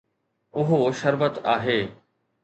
اهو شربت آهي